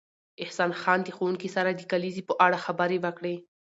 احسان خان د ښوونکي سره د کلیزې په اړه خبرې وکړې